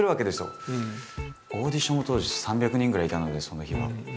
オーディションも当時３００人ぐらいいたのでその日は。